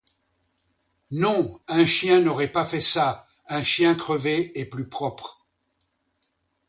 Non, un chien n'aurait pas fait ça, un chien crevé est plus propre.